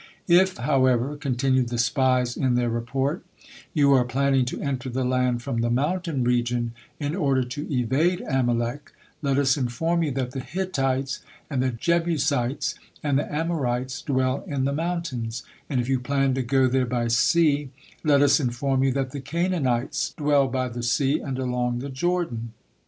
"If, however," continued the spies in their report, "you are planning to enter the land from the mountain region in order to evade Amalek, let us inform you that the Hittites, and the Jebussites, and the Amorites dwell in the mountains; and if you plan to go there by sea, let us inform you that the Canaanites dwell by the sea, and along the Jordan."